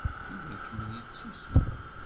Yuba ikemmel yettusu.